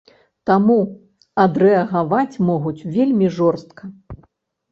Таму адрэагаваць могуць вельмі жорстка.